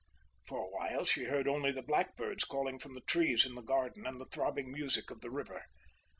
For a while she heard only the blackbirds calling from the trees in the garden and the throbbing music of the river.